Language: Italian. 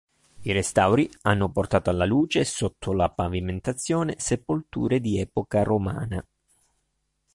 I restauri hanno portato alla luce, sotto la pavimentazione, sepolture di epoca romana.